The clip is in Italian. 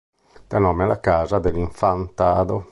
Dà nome alla Casa dell'Infantado.